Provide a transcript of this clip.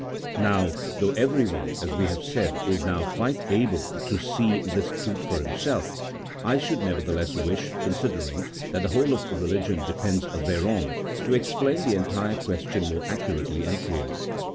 Now, though everyone, as we have said, is now quite able to see this truth for himself, I should nevertheless wish, considering that the whole of Beligion depends thereon, to explain the entire question more accurately and clearly.